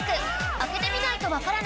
開けてみないと分からない